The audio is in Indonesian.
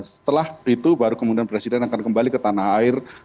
setelah itu baru kemudian presiden akan kembali ke tanah air